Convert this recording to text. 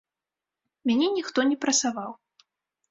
Мяне ніхто не прасаваў.